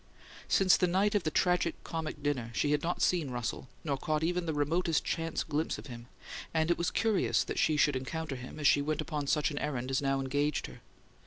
Since the night of the tragic comic dinner she had not seen Russell, nor caught even the remotest chance glimpse of him; and it was curious that she should encounter him as she went upon such an errand as now engaged her.